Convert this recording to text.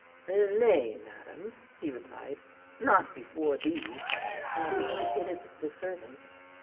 "Nay, madam," he replied, "not before these." And he indicated the servants.